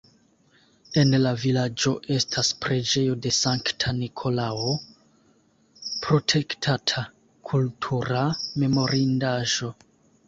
En la vilaĝo estas preĝejo de Sankta Nikolao, protektata kultura memorindaĵo.